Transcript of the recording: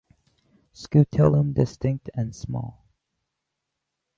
Scutellum distinct and small.